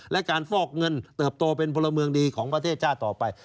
และการฟอกเงินเติบโตเป็นพลเมืองดีของประเทศชาติต่อไป